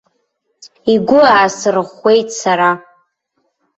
Игәы аасырӷәӷәеит сара.